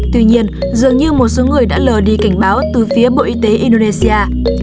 tuy nhiên dường như một số người đã lờ đi cảnh báo từ phía bộ y tế indonesia